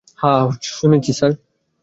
হ্যাঁ শুনেছি, স্যার।